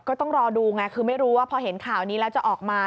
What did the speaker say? ก็ต้องรอดูไงคือไม่รู้ว่าพอเห็นข่าวนี้แล้วจะออกมา